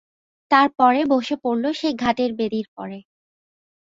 তার পরে বসে পড়ল সেই ঘাটের বেদির পরে।